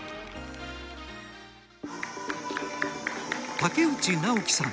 竹内直記さん。